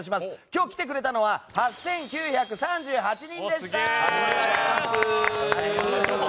今日来てくれたのは８９３８人でした。